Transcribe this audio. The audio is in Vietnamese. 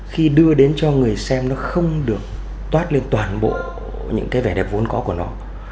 khi đưa đến cho người xem nó không được toát lên toàn bộ những cái vẻ đẹp vốn có của nó